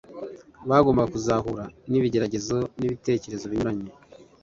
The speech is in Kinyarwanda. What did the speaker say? Bagombaga kuzahura n'ibigeragezo n'ibitekerezo binyuranye